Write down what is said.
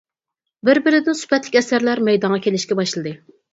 بىر-بىرىدىن سۈپەتلىك ئەسەرلەر مەيدانغا كېلىشكە باشلىدى.